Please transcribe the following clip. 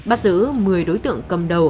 bắt giữ một mươi đối tượng cầm đầu